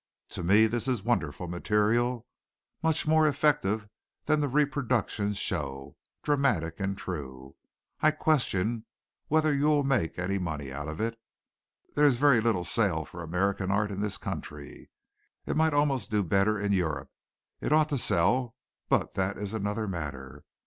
"To me this is wonderful material, much more effective than the reproductions show, dramatic and true. I question whether you will make any money out of it. There is very little sale for American art in this country. It might almost do better in Europe. It ought to sell, but that is another matter.